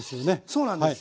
そうなんです。